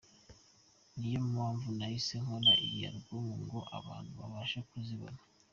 Ni yo mpamvu nahise nkora iyi Album ngo abantu babashe kuzibona.